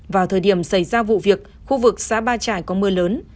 vào thời điểm xảy ra vụ việc khu vực xã ba trải có mưa lớn